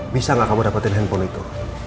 bisa gak kamu dapetin handphone itu